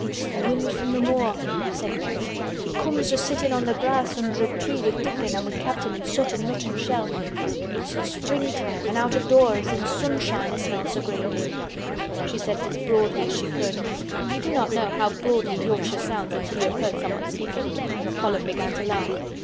"It's th' wind from th' moor," said Mary. "It comes o' sittin' on th' grass under a tree wi' Dickon an' wi' Captain an' Soot an' Nut an' Shell. It's th' springtime an' out o' doors an' sunshine as smells so graidely." She said it as broadly as she could, and you do not know how broadly Yorkshire sounds until you have heard someone speak it. Colin began to laugh.